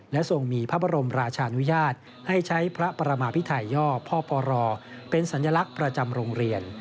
และทรงมีพระบรมราชานุญาตให้ใช้พระประมาพิไทยย่อพ่อปรเป็นสัญลักษณ์ประจำโรงเรียน